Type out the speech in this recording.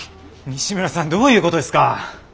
西村さんどういうことですか！？